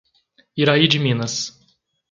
Iraí de Minas